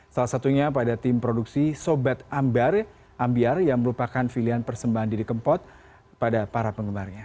salah satunya pada tim produksi sobet ambiar yang merupakan pilihan persembahan diri kempot pada para penggemarnya